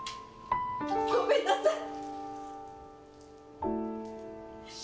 ごめんなさい！